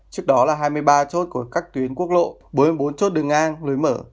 trước đó là hai mươi ba chốt của các tuyến quốc lộ bốn mươi bốn chốt đường ngang lối mở